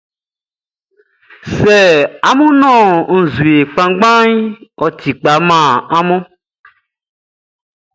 Sɛ amun nɔn nzue kpanngbanʼn, ɔ ti kpa man amun.